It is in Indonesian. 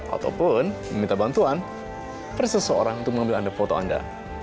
ataupun meminta bantuan dari seseorang untuk mengambil foto anda